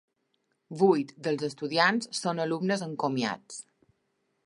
Vuit dels estudiants són alumnes encomiats.